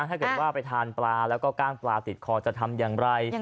ถ้าเกิดว่าไปทานปลาแล้วก็กล้างปลาติดคอจะทำอย่างไร